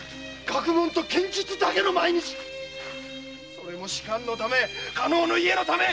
それも仕官のため加納の家のため！